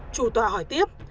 chủ tọa hỏi tiếp